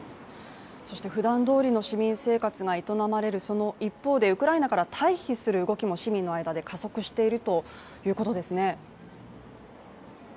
そして普段通りの市民生活が営まれるその一方でウクライナから退避する動きも市民の間で加速しているということですね。